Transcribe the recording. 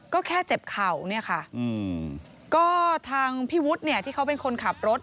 ก็แค่เจ็บเข่าเนี่ยค่ะก็ทางพี่วุฒิเนี่ยที่เขาเป็นคนขับรถ